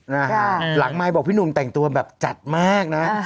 ใช่ค่ะหลังมายบอกพี่หนุ่มแต่งตัวแบบจัดมากนะ